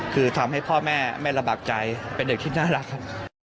คือทำให้พ่อแม่ไม่ลำบากใจเป็นเด็กที่น่ารักครับ